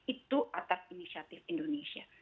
itu atas inisiatif indonesia